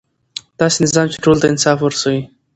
داسې نظام چې ټولو ته انصاف ورسوي.